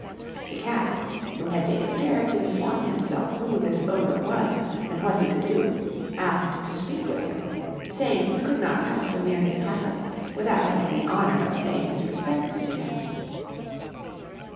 The Cat, who had taken care to inform himself who this Ogre was, and what he could do, asked to speak with him, saying, he could not pass so near his castle, without having the honour of paying his respects to him.